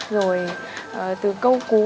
rồi từ câu cú